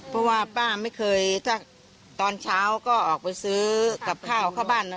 เพราะว่าป้าไม่เคยถ้าตอนเช้าก็ออกไปซื้อกับข้าวเข้าบ้านนะ